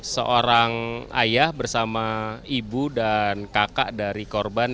seorang ayah bersama ibu dan kakak dari korban